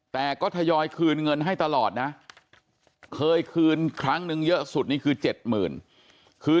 แต่ก็ทยอยคืนเงินให้ตลอดนะเคยคืนครั้งนึงเยอะสุดนี่คือ๗๐๐คือ